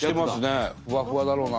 ふわふわだろうな。